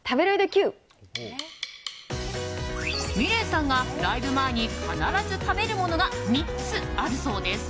ｍｉｌｅｔさんがライブ前に必ず食べるものが３つあるそうです。